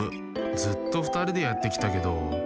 ずっとふたりでやってきたけど。